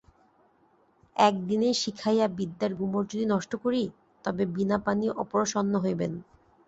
এক দিনেই শিখাইয়া বিদ্যার গুমর যদি নষ্ট করি তবে বীণাপাণি অপ্রসন্ন হইবেন।